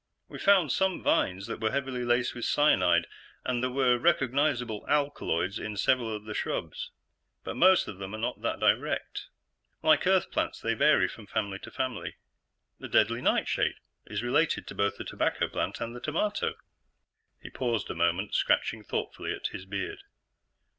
We found some vines that were heavily laced with cyanide, and there were recognizable alkaloids in several of the shrubs, but most of them are not that direct. Like Earth plants, they vary from family to family; the deadly nightshade is related to both the tobacco plant and the tomato." He paused a moment, scratching thoughtfully at his beard.